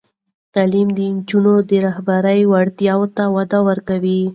تعلیم د نجونو د رهبري وړتیاوو ته وده ورکوي.